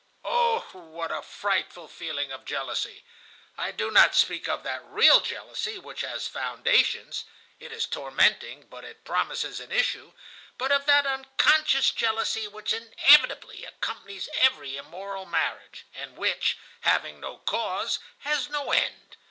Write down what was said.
"Oh, what a frightful feeling of jealousy! I do not speak of that real jealousy which has foundations (it is tormenting, but it promises an issue), but of that unconscious jealousy which inevitably accompanies every immoral marriage, and which, having no cause, has no end.